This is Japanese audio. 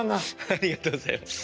ありがとうございます。